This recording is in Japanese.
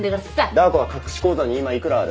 ダー子は隠し口座に今幾らある？